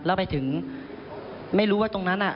แล้วไปถึงไม่รู้ว่าตรงนั้น